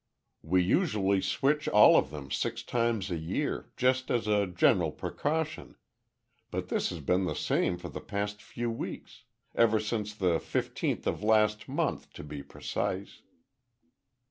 "We usually switch all of them six times a year, just as a general precaution but this has been the same for the past few weeks. Ever since the fifteenth of last month, to be precise."